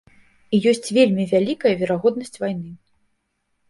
І ёсць вельмі вялікая верагоднасць вайны.